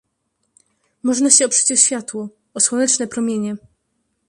Można się oprzeć o światło, o słoneczne promienie.